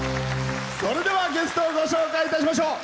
それでは、ゲストをご紹介いたしましょう。